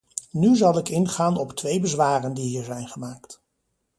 Nu zal ik ingaan op twee bezwaren die hier zijn gemaakt.